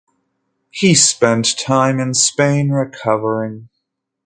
He spent time in Spain recovering.